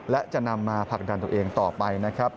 และจะนำมาผลักดันตัวเองต่อไปนะครับ